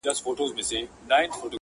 جهاني د خوب نړۍ ده پکښي ورک دی هر وګړی؛